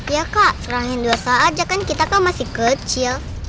ya kak serahin dua saat aja kan kita kan masih kecil